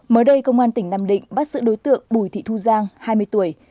mới đây công an tỉnh nam định bắt giữ đối tượng bùi thị thu giang hai mươi tuổi